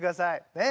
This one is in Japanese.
ねえ。